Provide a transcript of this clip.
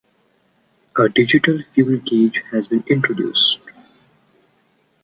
A digital fuel gauge has been introduced.